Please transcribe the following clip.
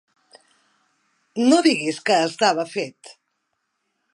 No diguis que estava fet!